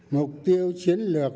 mục tiêu chiến lược